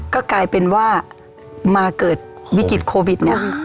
ก็กลายเป็นว่ามาเกิดวิกฤตโควิดเนี่ย